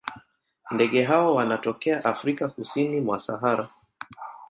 Ndege hawa wanatokea Afrika kusini mwa Sahara.